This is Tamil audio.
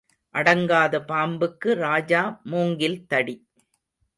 அடங்காத பாம்புக்கு ராஜா மூங்கில் தடி.